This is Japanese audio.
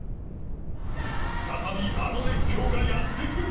再び、あの熱狂がやってくる。